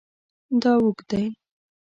دا اوږد دی